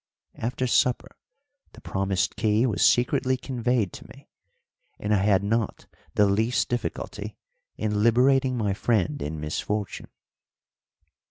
After supper the promised key was secretly conveyed to me, and I had not the least difficulty in liberating my friend in misfortune.